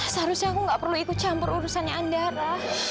seharusnya aku gak perlu ikut campur urusannya andara